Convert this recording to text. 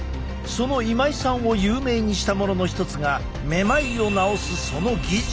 その今井さんを有名にしたものの一つがめまいを治すその技術。